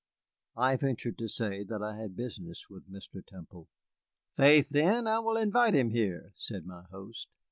I ventured to say that I had business with Mr. Temple. "Faith, then, I will invite him here," said my host.